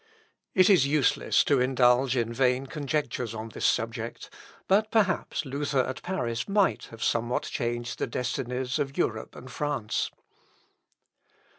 It is useless to indulge in vain conjectures on this subject; but perhaps Luther at Paris might have somewhat changed the destinies of Europe and France.